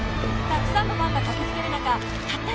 たくさんのファンが駆けつける中たった